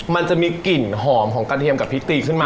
มันจะมีกลิ่นหอมของกระเทียมกับพริกตีขึ้นมา